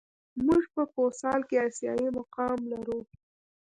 موږ په فوسال کې آسیايي مقام لرو.